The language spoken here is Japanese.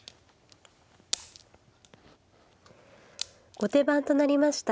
後手番となりました